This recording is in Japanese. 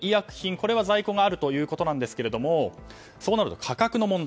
これは在庫があるということですがそうなると価格の問題。